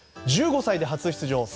１５歳で初出場。